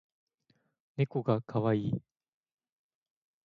ねこがかわいい